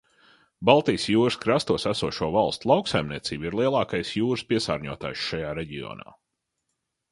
Baltijas jūras krastos esošo valstu lauksaimniecība ir lielākais jūras piesārņotājs šajā reģionā.